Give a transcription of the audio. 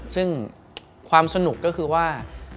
ซึ่งความสนุกก็คือว่า